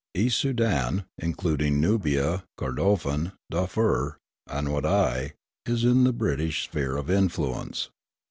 East Soudan (including Nubia, Kordofan, Darfur, and Wadai) is in the British sphere of influence.